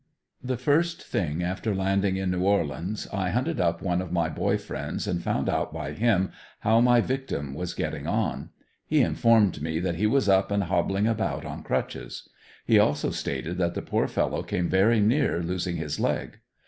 The first thing after landing in New Orleans, I hunted up one of my boy friends and found out by him how my victim was getting on. He informed me that he was up and hobbling about on crutches. He also stated that the poor fellow came very near losing his leg.